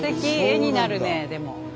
絵になるねでも。